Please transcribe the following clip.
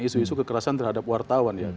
isu isu kekerasan terhadap wartawan ya